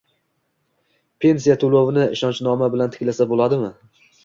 Pensiya to‘lovini ishonchnoma bilan tiklasa bo‘ladimi?